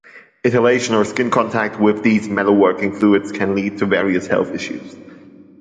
Inhalation or skin contact with these metalworking fluids can lead to various health issues.